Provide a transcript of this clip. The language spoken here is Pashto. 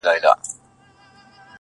زړه می هر گړی ستا سترگي راته ستایي -